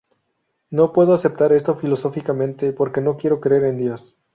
No puedo aceptar esto filosóficamente porque no quiero creer en Dios.